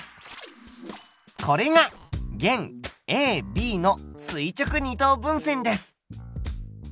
これが弦ＡＢの垂直二等分線です。